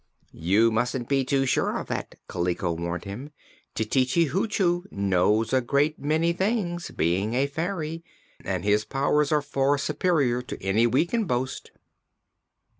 "You mustn't be too sure of that," Kaliko warned him. "Tititi Hoochoo knows a great many things, being a fairy, and his powers are far superior to any we can boast."